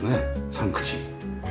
３口。